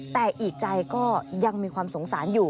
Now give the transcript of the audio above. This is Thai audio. แต่อีกใจก็ยังมีความสงสารอยู่